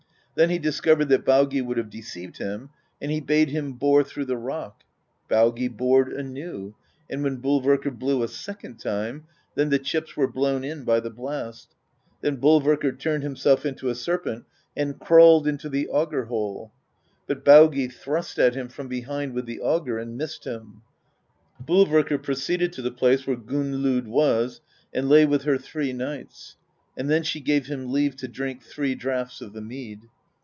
Then he discov ered that Baugi would have deceived him, and he bade him bore through the rock. Baugi bored anew; and when Bol verkr blew a second time, then the chips were blown in by the blast. Then Bolverkr turned himself into a serpent and crawled into the auger hole, but Baugi thrust at him from behind with the auger and missed him. Bolverkr pro ceeded to the place where Gunnlod was, and lay with her three nights; and then she gave him leave to drink three draughts of the mead.